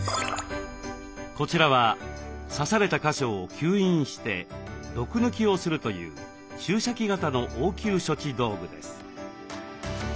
こちらは刺された箇所を吸引して毒抜きをするという注射器型の応急処置道具です。